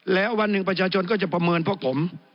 แล้ววันหนึ่งประชาชนก็จะประเมินพวกผม